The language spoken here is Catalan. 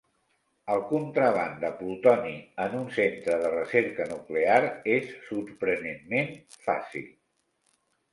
El contraban de plutoni en un centre de recerca nuclear és sorprenentment fàcil.